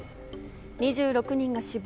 ２６人が死亡。